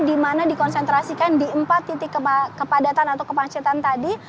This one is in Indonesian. dimana dikonsentrasikan di empat titik kepadatan atau kepancetan tadi